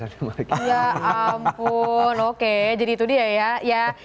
ya ampun oke jadi itu dia ya